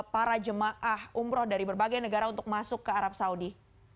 para jemaah umroh dari berbagai negara untuk masuk ke arab saudi